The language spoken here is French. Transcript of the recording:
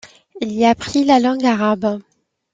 Il y apprit la langue arabe.